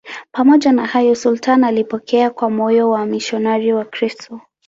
Pamoja na hayo, sultani alipokea kwa moyo wamisionari Wakristo.